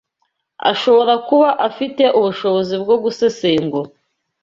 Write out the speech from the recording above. ashobora kuba afite ubushobozi bwo gusesengura